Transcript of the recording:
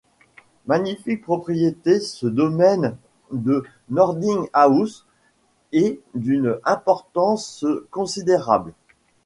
Magnifique propriété, ce domaine de Nording-House, et d’une importance considérable.